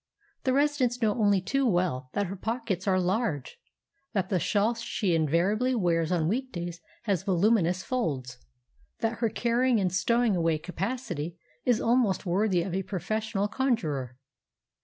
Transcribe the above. The residents know only too well that her pockets are large; that the shawl she invariably wears on weekdays has voluminous folds; that her carrying and stowing away capacity is almost worthy of a professional conjurer.